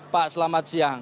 pak selamat siang